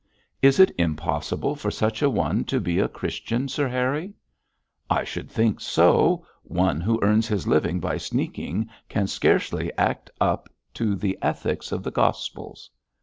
'Is it impossible for such a one to be a Christian, Sir Harry?' 'I should think so. One who earns his living by sneaking can scarcely act up to the ethics of the Gospels.'